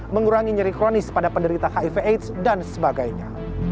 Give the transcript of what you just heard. mengurangi nyeri kronis pada penderita hiv aids dan sebagainya